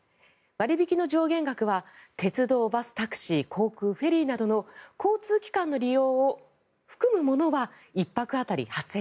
割引の上限額は鉄道、バス、タクシー航空、フェリーなどの交通機関の利用を含むものは１泊当たり８０００円